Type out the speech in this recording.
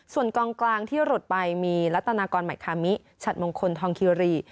ส่วนกองกลางที่หลุดไปมีรัตนากรใหม่คามิฉัดมงคลทองคิรี